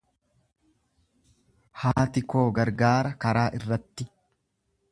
Haati koo gargaara karaa irratti.